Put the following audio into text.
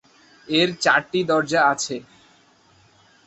এর চারটি দরজা আছে।